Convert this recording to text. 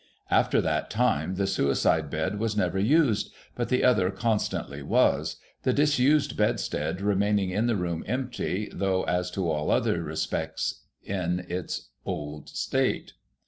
After that time, the suicide bed was never used^ but the other constantly was ; the disused bedstead remaining in the room empty, though as to all other respects in its old state.